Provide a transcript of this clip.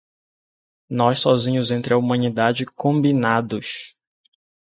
Nós sozinhos, entre a humanidade, combinados